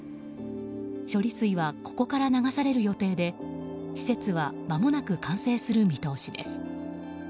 処理水はここから流される予定で施設はまもなく完成する見通しです。